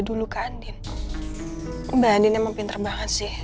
mbak andi ini memang pinter banget sih